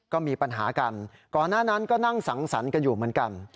ก็มีปัญหากันก่อนหน้านั้นก็นั่งสังสรรค์กันอยู่เหมือนกัน